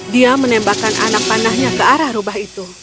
dia menembakkan anak panahnya ke arah rubah itu